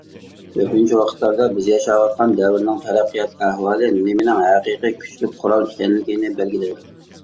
كۆپىنچە ۋاقىتلاردا بىز ياشاۋاتقان دەۋرنىڭ تەرەققىيات ئەھۋالى نېمىنىڭ ھەقىقىي كۈچلۈك قورال ئىكەنلىكىنى بەلگىلەيدۇ.